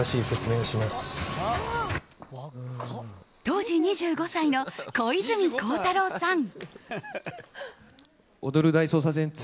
当時２５歳の小泉孝太郎さん。